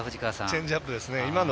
チェンジアップですね。